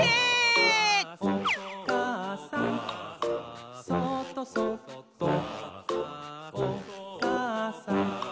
「おかあさんそーっとそっとおかあさん」